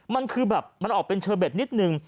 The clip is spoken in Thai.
มันคือแบบมันออกเป็นเชอเบ็ดนิดนึง